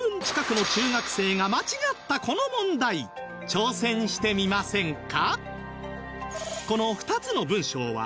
挑戦してみませんか？